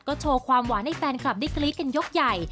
โชว์ความหวานให้แฟนคลับได้กรี๊ดกันยกใหญ่